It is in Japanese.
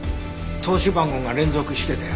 通し番号が連続してたよ。